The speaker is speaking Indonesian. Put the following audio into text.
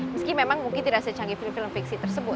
meski memang mungkin tidak secanggih film film fiksi tersebut